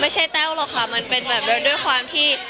แต้วหรอกค่ะมันเป็นแบบด้วยความที่